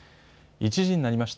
１時になりました。